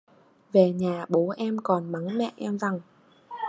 Về nhà bố em còn mắng mẹ em rằng